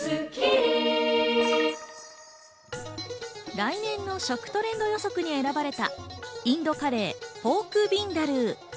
来年の食トレンド予測に選ばれたインドカレー、ポークビンダルー。